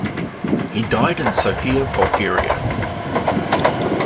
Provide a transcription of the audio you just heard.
He died in Sofia, Bulgaria.